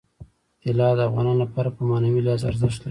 طلا د افغانانو لپاره په معنوي لحاظ ارزښت لري.